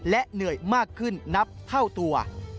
และเหนื่อยมากขึ้นนับเท่าตัว